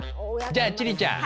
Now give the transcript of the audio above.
じゃあ千里ちゃん。